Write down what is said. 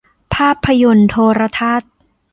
ภาพยนตร์โทรทัศน์